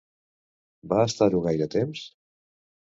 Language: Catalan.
Va estar-ho gaire temps?